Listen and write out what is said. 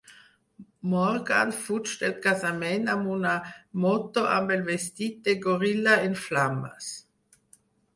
Morgan fuig del casament amb una moto amb el vestit de goril·la en flames.